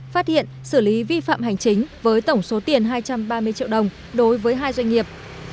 phát hiện xử lý vi phạm hành chính với tổng số tiền hai trăm ba mươi triệu đồng đối với hai doanh nghiệp